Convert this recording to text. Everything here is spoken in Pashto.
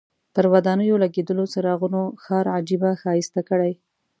پر ودانیو لګېدلو څراغونو ښار عجیبه ښایسته کړی.